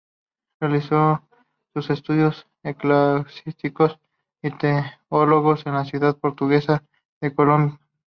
Realizó sus estudios eclesiásticos y teológicos en la ciudad portuguesa de Coímbra.